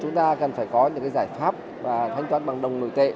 chúng ta cần phải có những giải pháp và thanh toán bằng đồng nội tệ